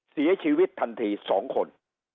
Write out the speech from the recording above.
เสียชีวิตทันที๒คน